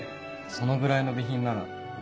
そのぐらいの備品なら。